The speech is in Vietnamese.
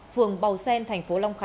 phường bào sen tp hcm